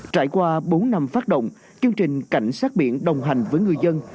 trải qua bốn năm phát động chương trình cảnh sát biển đồng hành với ngư dân